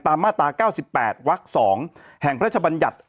มาตรา๙๘วัก๒แห่งพระชบัญญัติ